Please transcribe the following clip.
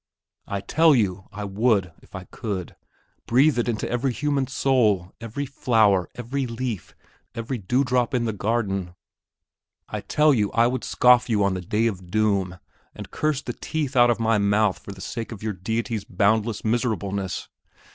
I tell you, I would, if I could, breathe it into every human soul, every flower, every leaf, every dewdrop in the garden! I tell you, I would scoff you on the day of doom, and curse the teeth out of my mouth for the sake of your Deity's boundless miserableness!